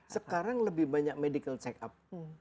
sekarang lebih banyak medical check up